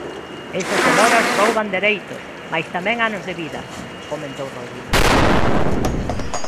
"Esas demoras rouban dereitos, mais tamén anos de vida", comentou Rodil.